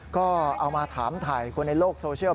ก็เอามาถามถ่ายคนในโลกโซเชียล